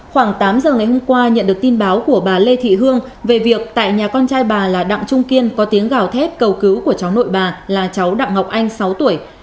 khoảng tám giờ ngày hôm qua nhận được tin báo của bà lê thị hương về việc tại nhà con trai bà là đặng trung kiên có tiếng gào thép cầu cứu của cháu nội bà là cháu đặng ngọc anh sáu tuổi